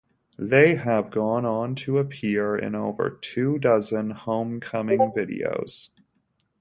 They have gone on to appear in over two dozen Homecoming videos.